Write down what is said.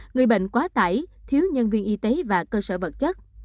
người bệnh quá tải thiếu nhân viên y tế và cơ sở vật chất